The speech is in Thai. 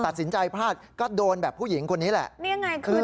ตัดสินใจพลาดก็โดนแบบผู้หญิงคนนี้แหละนี่ยังไงคือ